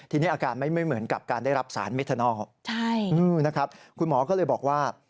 ทีนี้อาการไม่เหมือนกับการได้รับสารเมทานอลนะครับคุณหมอก็เลยบอกว่า